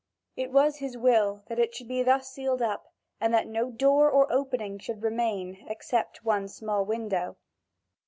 It was his will that it should be thus sealed up, and that no door or opening should remain, except one small window.